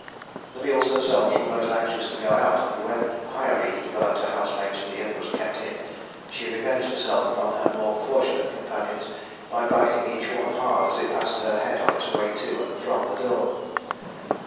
The mules themselves were most anxious to go out, and when Pyaree developed a housemaid's knee and was kept in, she revenged herself upon her more fortunate companions by biting each one hard as it passed her head on its way to and from the door.